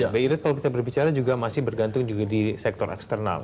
mbak irit kalau kita berbicara juga masih bergantung juga di sektor eksternal